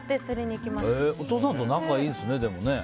お父さんと仲いいんですね。